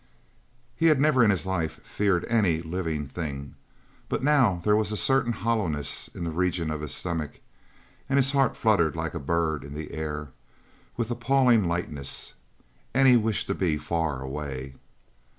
He had never in his life feared any living thing. But now there was a certain hollowness in the region of his stomach, and his heart fluttered like a bird in the air, with appalling lightness. And he wished to be far away.